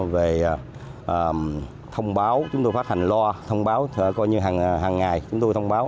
về thông báo chúng tôi phát hành lo thông báo coi như hàng ngày chúng tôi thông báo